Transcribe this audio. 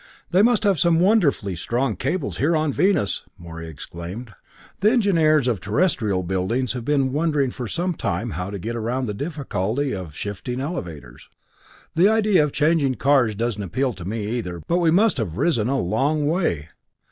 "They must have some wonderfully strong cables here on Venus!" Morey exclaimed. "The engineers of Terrestrial buildings have been wondering for some time how to get around the difficulty of shifting elevators. The idea of changing cars doesn't appeal to me, either but we must have risen a long way!"